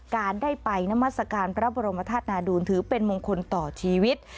การได้ไปนามัศกาลพระบรมธาตุนาดูลถือเป็นมงคลต่อชีวิต